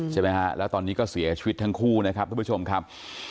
ใช่ไหมฮะแล้วตอนนี้ก็เสียชีวิตทั้งคู่นะครับทุกผู้ชมครับ